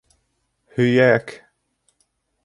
— Һөйә-әк.